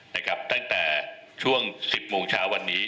นะครับตั้งแต่ช่วงสิบโมงเช้าวันนี้